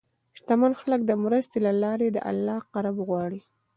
شتمن خلک د مرستې له لارې د الله قرب غواړي.